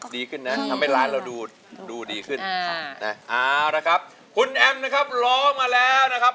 ดีขึ้นเนี่ยทำให้ร้านเราดูดีขึ้นคุณแอมนะครับร้องมาแล้วนะครับ